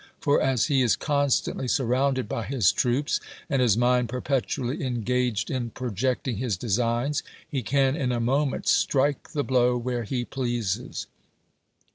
For, as he is constantly surrounded by his troops, and his mind i)erpetually engaged in projecting his designs, he can in a moment strike the blow where he ])h^ases.